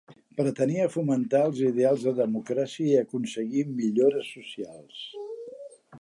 Pretenia fomentar els ideals de democràcia i aconseguir millores socials.